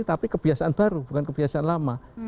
tapi kebiasaan baru bukan kebiasaan lama